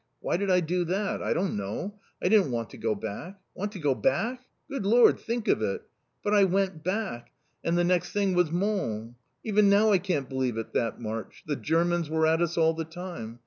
Why did I do that? I don't know. I didn't want to go back. Want to go back? Good lor! Think of it! But I went back! and the next thing was Mons! Even now I can't believe it, that march. The Germans were at us all the time.